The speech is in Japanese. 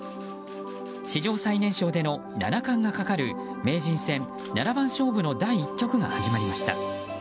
史上最年少での七冠がかかる名人戦七番勝負の第１局が始まりました。